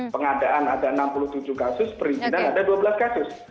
pengadaan ada enam puluh tujuh kasus perizinan ada dua belas kasus